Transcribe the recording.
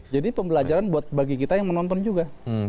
jadi pembelajaran bagi kita yang menonton juga